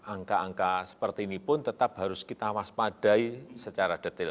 angka angka seperti ini pun tetap harus kita waspadai secara detail